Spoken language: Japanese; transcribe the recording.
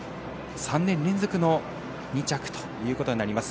３年連続の２着ということになります。